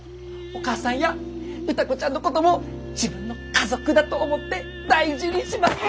お母さんや歌子ちゃんのことも自分の家族だと思って大事にします！